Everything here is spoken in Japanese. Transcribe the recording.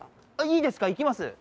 いいですか行きます